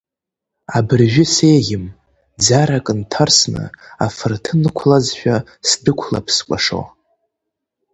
Абыржәы сеиӷьым, ӡарак нҭарсны, афырҭын ықәлазшәа, сдәықәлап скәашо!